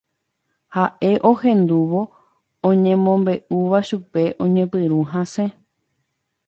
Ha'e ohendúvo oñemombe'úva chupe oñepyrũ hasẽ.